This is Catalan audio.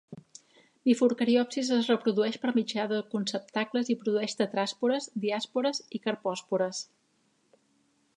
"Bifurcariopsis" es reprodueix per mitjà de conceptacles i produeix tetràspores, diàspores i carpòspores.